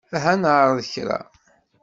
Aha ad neɛreḍ kra.